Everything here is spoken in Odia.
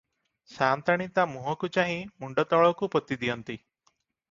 ସାଆନ୍ତାଣୀ ତା ମୁହଁକୁ ଚାହିଁ ମୁଣ୍ତ ତଳକୁ ପୋତିଦିଅନ୍ତି ।